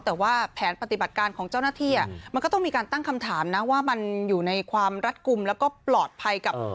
แต่ว่าแผนปฏิบัติการของเจ้าหน้าที่มันก็ต้องมีการตั้งคำถามนะว่ามันอยู่ในความรัดกลุ่มแล้วก็ปลอดภัยกับ